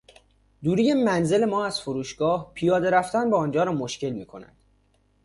دوری منزل ما از فروشگاه پیاده رفتن به آنجا را مشکل میکند.